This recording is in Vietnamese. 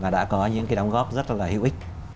đã có những cái đóng góp rất là hữu ích